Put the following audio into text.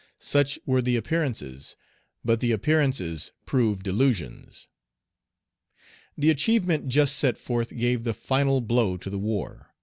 such were the appearances, but the appearances proved delusions. The achievement just set forth gave the final blow to the war.